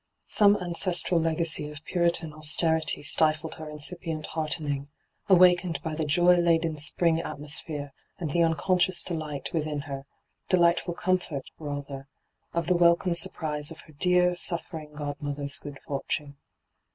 Some ancestral legacy of Puritan austerity stifled her incipient hearten ing, awakened by the joy laden spring atmo sphere and the unconscious de%ht within her — delightful comfort, rather — of the welcome surprise of her dear, suffering godmother's good fortune.